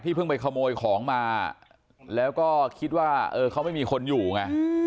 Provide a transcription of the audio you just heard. เพิ่งไปขโมยของมาแล้วก็คิดว่าเออเขาไม่มีคนอยู่ไง